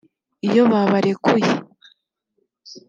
iyo babarekuye